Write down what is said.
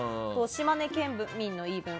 島根県民の言い分